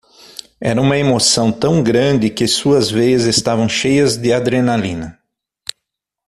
Era uma emoção tão grande que suas veias estavam cheias de adrenalina.